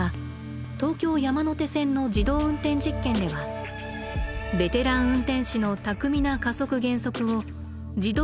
東京山手線の自動運転実験ではベテラン運転士の巧みな加速減速を自動列車運転装置が再現。